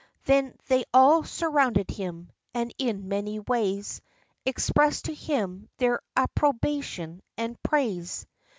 Then they all surrounded him, and, in many ways, Expressed to him their approbation and praise.